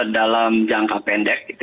dalam jangka pendek